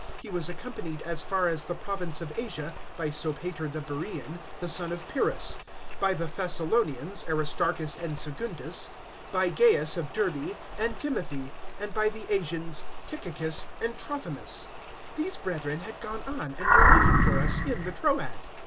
020:004 He was accompanied as far as the province of Asia by Sopater the Beroean, the son of Pyrrhus; by the Thessalonians, Aristarchus and Secundus; by Gaius of Derbe, and Timothy; and by the Asians, Tychicus and Trophimus. 020:005 These brethren had gone on and were waiting for us in the Troad.